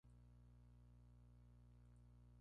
Son animales muy agresivos.